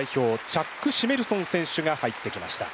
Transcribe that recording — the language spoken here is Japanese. チャック・シメルソン選手が入ってきました。